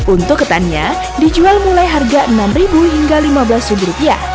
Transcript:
untuk ketannya dijual mulai harga rp enam hingga rp lima belas